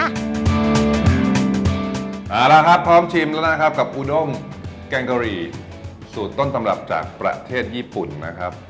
เอาละครับพร้อมชิมแล้วนะครับกับอูด้งแกงกะหรี่สูตรต้นตำรับจากประเทศญี่ปุ่นนะครับ